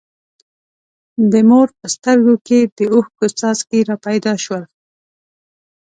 د مور په سترګو کې د اوښکو څاڅکي را پیدا شول.